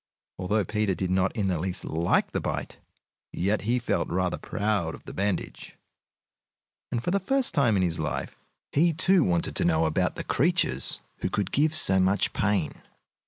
Although Peter did not in the least like the bite, yet he felt rather proud of the bandage, and for the first time in his life he, too, wanted to know about the creatures who could give so much pain.